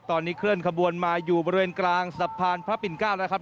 ตอนนี้เคลื่อนขบวนมาอยู่บริเวณกลางสะพานพระปิ่น๙แล้วครับ